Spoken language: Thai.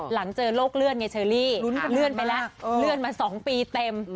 หลังเจอโรคเลื่อนไงเชอรี่เลื่อนไปแล้วเลื่อนมา๒ปีเต็ม